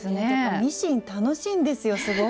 ミシン楽しいんですよすごい。